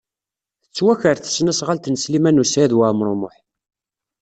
Tettwaker tesnasɣalt n Sliman U Saɛid Waɛmaṛ U Muḥ.